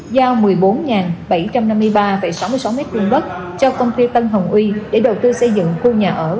giao một mươi bốn bảy trăm năm mươi ba sáu mươi sáu m hai đất cho công ty tân hồng uy để đầu tư xây dựng khu nhà ở